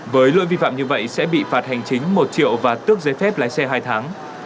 với lỗi vi phạm như vậy sẽ bị phạt hành chính một triệu và tước giấy phép lái xe hai tháng